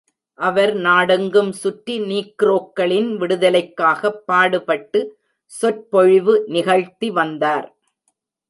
அவர் நாடெங்கும் சுற்றி நீக்ரோக்களின் விடுதலைக்காகப் பாடுபட்டு சொற்பொழிவு நிகழ்த்தி வந்தார்.